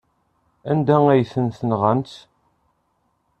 Anda ay ten-tenɣamt?